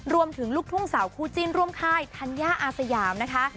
ลูกทุ่งสาวคู่จิ้นร่วมค่ายธัญญาอาสยามนะคะ